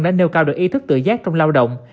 đã nêu cao được ý thức tự giác trong lao động